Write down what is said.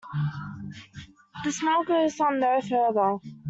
The smell goes on no further.